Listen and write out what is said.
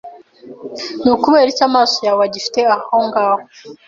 Ni ukubera iki amaso yawe agifite aho ngaho